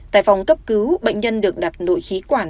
tại phòng cấp cứu bệnh nhân được đặt nội khí quản